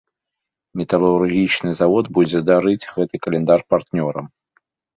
Металургічны завод будзе дарыць гэты каляндар партнёрам.